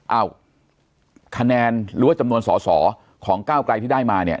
คะแนนหรือว่าจำนวนสอสอของก้าวไกลที่ได้มาเนี่ย